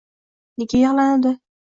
Nega yig‘lanadi